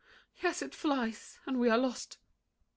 Yes, it flies; and we are lost.